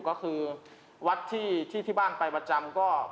ก็คือวัดที่บ้านไปประจำก็